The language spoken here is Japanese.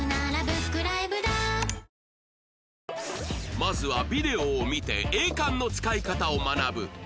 まずはビデオを見てエーカンの使い方を学ぶ